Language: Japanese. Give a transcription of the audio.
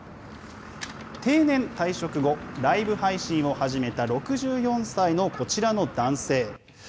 定年退職後、ライブ配信を始めた６４歳のこちらの男性。